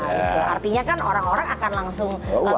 ya itu artinya kan orang orang akan langsung